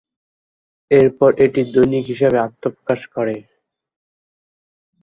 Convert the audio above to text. এরপর এটি দৈনিক হিসাবে আত্মপ্রকাশ করে।